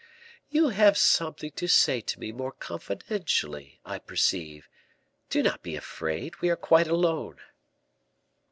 "You have something to say to me more confidentially, I perceive; do not be afraid, we are quite alone."